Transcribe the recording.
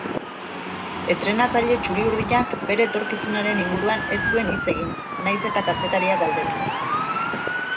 Entrenatzaile txuri-urdinak bere etorkizunaren inguruan ez zuen hitz egin nahiz eta kazetarik galdetu.